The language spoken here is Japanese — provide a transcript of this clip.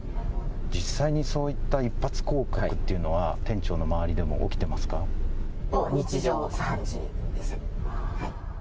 実際にそういった一発降格っていうのは、店長の周りでも起きもう日常茶飯事です。